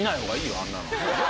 あんなの。